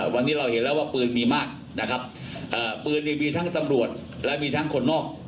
วันนี้เราเห็นแล้วว่าปืนมีมากนะครับปืนนี่มีทั้งตำรวจและมีทั้งคนนอก